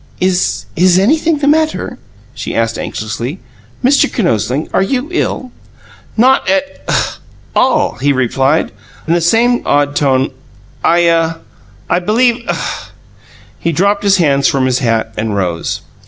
"Is is anything the matter?" she asked anxiously. "Mr. Kinosling, are you ill?" "Not at ugh! all," he replied, in the same odd tone. "I ah I believe UGH!" He dropped his hands from his hat, and rose.